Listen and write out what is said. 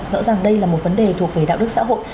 rõ ràng đây là một vấn đề thuộc về đạo đức xã hội